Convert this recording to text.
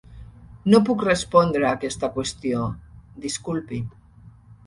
No puc respondre aquesta qüestió, disculpi.